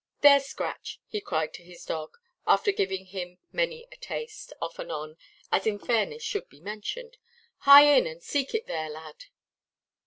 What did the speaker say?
"There, Scratch," he cried to his dog, after giving him many a taste, off and on, as in fairness should be mentioned; "hie in, and seek it there, lad."